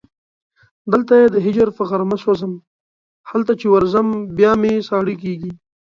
دلته یې د هجر په غارمه سوځم هلته چې ورځم بیا مې ساړه کېږي